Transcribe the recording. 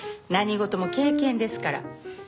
何事も経験ですから。